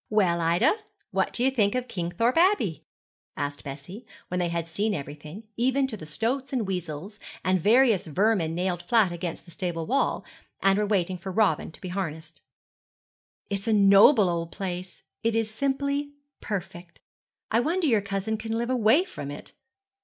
'Well, Ida, what do you think of Kingthorpe Abbey?' asked Bessie, when they had seen everything, even to the stoats and weasles, and various vermin nailed flat against the stable wall, and were waiting for Robin to be harnessed. 'It is a noble old place. It is simply perfect. I wonder your cousin can live away from it.'